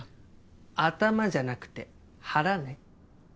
頭じゃなくて腹ね。